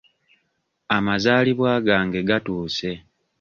Amazaalibwa gange gatuuse.